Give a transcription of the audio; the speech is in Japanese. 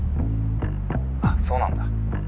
あそうなんだ。